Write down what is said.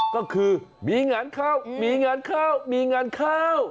ก็คือมีงานข้าวมีงานข้าวมีงานข้าว